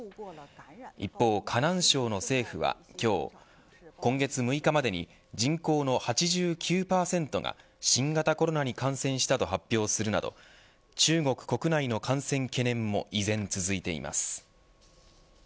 一方、河南省の政府は今日今月６日までに人口の８９％が新型コロナに感染したと発表するなど中国国内の感染懸念も依然、続いています。